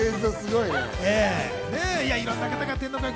いろんな方が天の声